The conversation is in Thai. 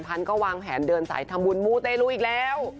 พันธุ์ก็วางแผนเดินสายทำบุญมูเตรูอีกแล้ว